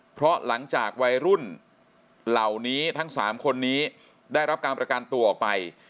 เพราะหลังจากวัยรุ่นเหล่านี้ทั้ง๓คนนี้ได้รับการประกันตัวออกไป